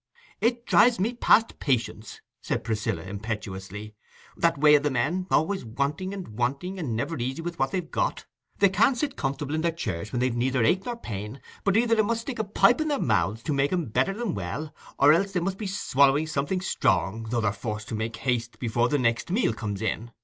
"It drives me past patience," said Priscilla, impetuously, "that way o' the men—always wanting and wanting, and never easy with what they've got: they can't sit comfortable in their chairs when they've neither ache nor pain, but either they must stick a pipe in their mouths, to make 'em better than well, or else they must be swallowing something strong, though they're forced to make haste before the next meal comes in.